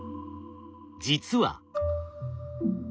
実は。